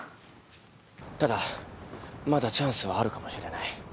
ただまだチャンスはあるかもしれない。